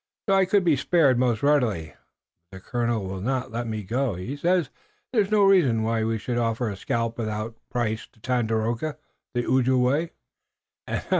So I could be spared most readily, but the colonel will not let me go. He says there is no reason why we should offer a scalp without price to Tandakora, the Ojibway."